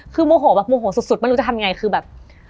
คือโมโหแบบโมโหสุดไม่รู้จะทำยังไงคือแบบ